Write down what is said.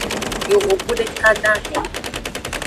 Yovogbu deka dahen.